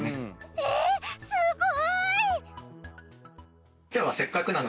えっすごい！